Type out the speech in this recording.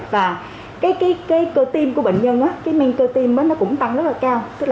và cơ tim của bệnh nhân men cơ tim cũng tăng rất là cao